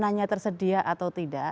dan nanya tersedia atau tidak